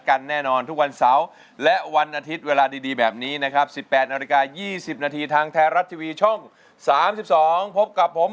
เป็นรายการที่ดีต่อใจ